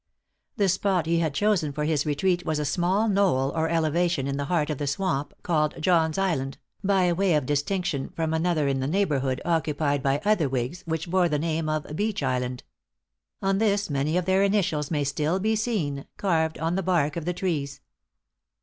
The spot he had chosen for his retreat was a small knoll or elevation in the heart of the swamp, called "John's Island," by way of distinction from another in the neighborhood, occupied by other whigs, which bore the name of "Beech Island." On this many of their initials may still be seen, carved on the bark of the trees.